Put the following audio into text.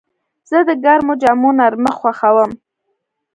زه د ګرمو جامو نرمښت خوښوم.